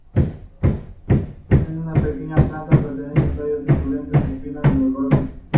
Es una pequeña planta perenne con tallos suculentos con espinas en los bordes.